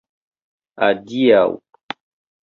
adiaŭ